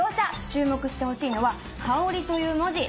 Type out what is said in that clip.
注目してほしいのは「香」という文字。